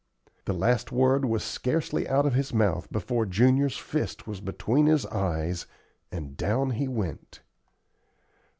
The last word was scarcely out of his mouth before Junior's fist was between his eyes, and down he went.